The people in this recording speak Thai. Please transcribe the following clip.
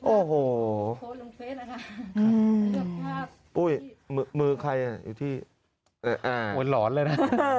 โอ้โหมือใครอ่ะอยู่ที่อ่าวนหลอนเลยนะ